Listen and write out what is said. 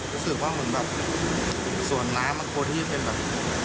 รู้สึกว่าเหมือนแบบส่วนน้ำมันควรที่จะเป็นแบบ